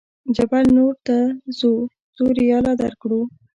جبل نور ته ځو څو ریاله درکړو.